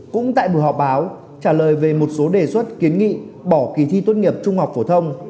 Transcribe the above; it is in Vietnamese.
cũng tại buổi họp báo trả lời về một số đề xuất kiến nghị bỏ kỳ thi tốt nghiệp trung học phổ thông